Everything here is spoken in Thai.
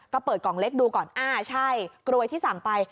ก็เปิดกล่องเล็กดูก่อนอ่าใช่กรวยที่สั่งไป